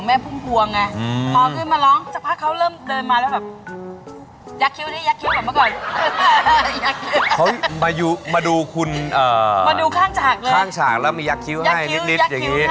แล้วแขกยัดคิ้วให้เล่น